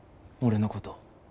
俺のこと。